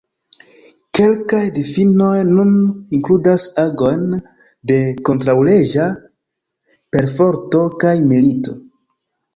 Kelkaj difinoj nun inkludas agojn de kontraŭleĝa perforto kaj milito.